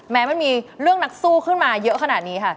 มันมีเรื่องนักสู้ขึ้นมาเยอะขนาดนี้ค่ะ